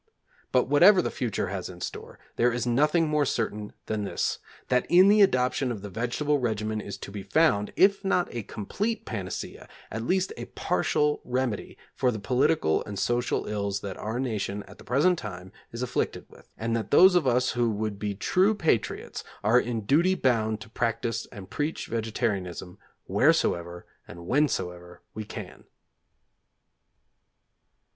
But whatever the future has in store, there is nothing more certain than this that in the adoption of the vegetable regimen is to be found, if not a complete panacea, at least a partial remedy, for the political and social ills that our nation at the present time is afflicted with, and that those of us who would be true patriots are in duty bound to practise and preach vegetarianism wheresoever and whensoever we can.